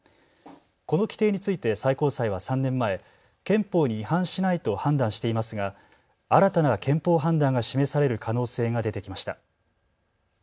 この規定について最高裁は３年前、憲法に違反しないと判断していますが新たな憲法判断が示される可能性が出てきました。